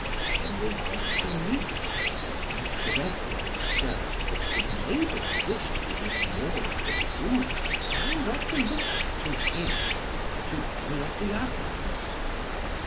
Then they went to meat, and Peredur observed that the maiden wished to give more of the food and of the liquor to him than to any of the others.